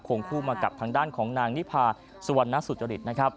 วงคู่มากับทางด้านของนางนิพาสุวรรณสุจริตนะครับ